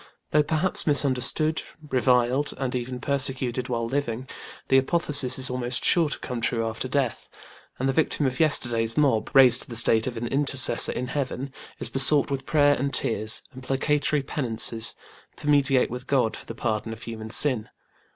Though perhaps misunderstood, reviled and even persecuted while living, the apotheosis is almost sure to come after death: and the victim of yesterday's mob, raised to the state of an Intercessor in Heaven, is besought with prayer and tears, and placatory penances, to mediate with God for the pardon of human sin.